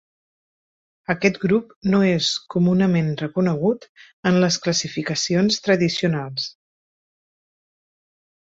Aquest grup no és comunament reconegut en les classificacions tradicionals.